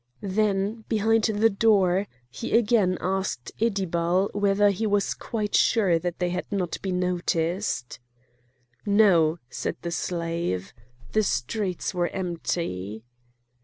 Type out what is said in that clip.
Then, behind the door, he again asked Iddibal whether he was quite sure that they had not been noticed. "No!" said the slave, "the streets were empty."